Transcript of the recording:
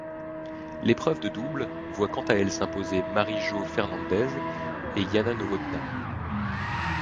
L'épreuve de double voit quant à elle s'imposer Mary Joe Fernández et Jana Novotná.